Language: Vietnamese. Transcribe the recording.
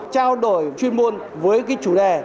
trao đổi chuyên môn với chủ đề